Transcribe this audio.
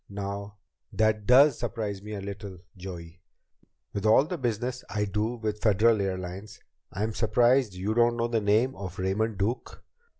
"Now that does surprise me a little, Joey. With all the business I do with Federal Airlines, I'm surprised you don't know the name of Raymond Duke."